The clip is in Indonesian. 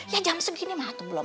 ya jam segini mah atau belum